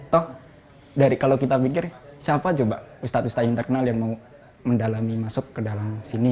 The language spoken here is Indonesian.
toh dari kalau kita pikir siapa juga ustaz ustaz yang terkenal yang mau mendalami masuk ke dalam sini